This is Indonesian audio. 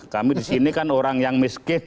kami di sini kan orang yang miskin